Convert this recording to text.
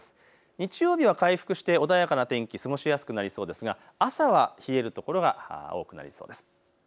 日曜日は回復して穏やかな天気、過ごしやすくなりそうですが朝は冷える所が多くなりそうです。